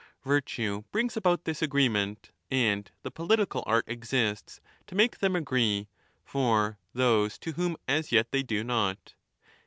Virtue brings about this agreement, and the political art exists to make them agree for those to whom as yet they do not.